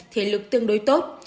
thể lực tương đối tốt